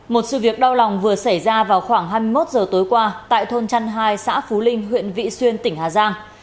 một sự việc đau lòng vừa xảy ra vào khoảng hai mươi một giờ tối qua tại thôn trăn hai xã phú linh huyện vị xuyên tỉnh hà giang